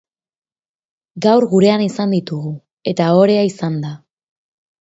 Gaur gurean izan ditugu, eta ohorea izan da.